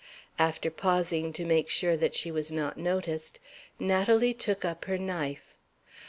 After pausing to make sure that she was not noticed, Natalie took up her knife.